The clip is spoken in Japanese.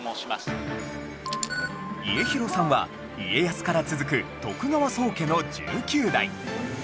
家広さんは家康から続く徳川宗家の１９代